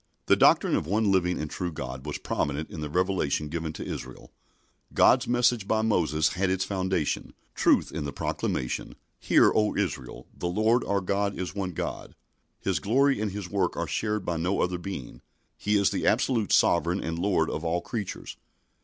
The doctrine of one living and true God was prominent in the revelation given to Israel. God's message by Moses had its foundation truth in the proclamation: "Hear, O Israel, the Lord our God is one Lord." His glory and His work are shared by no other being. He is the absolute Sovereign and Lord of all creatures.